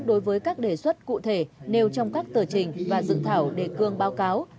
đối với các đề xuất cụ thể nêu trong các tờ trình và dự thảo đề cương báo cáo